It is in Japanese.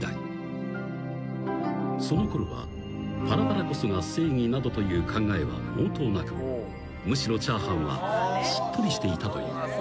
［そのころはパラパラこそが正義などという考えは毛頭なくむしろチャーハンはしっとりしていたという］